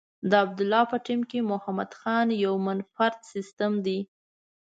د عبدالله په ټیم کې محمد خان یو منفرد سیسټم دی.